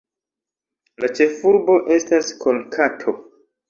La ĉefurbo estas Kolkato.